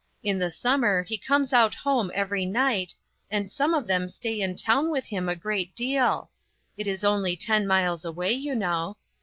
In the summer he comes out home every night, and some of them stay in town with him a great deal. It is only ten miles away, you know.